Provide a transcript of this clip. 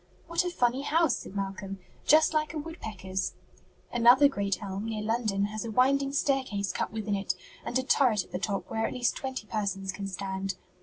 "What a funny house!" said Malcolm. "Just like a woodpecker's." "Another great elm, near London, has a winding staircase cut within it, and a turret at the top where at least twenty persons can stand.